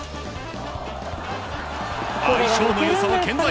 相性の良さは健在。